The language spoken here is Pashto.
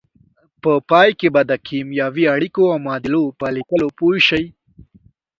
په پای کې به د کیمیاوي اړیکو او معادلو په لیکلو پوه شئ.